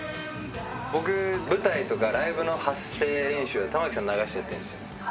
僕舞台とかライブの発声練習玉置さん流してやってるんですよ。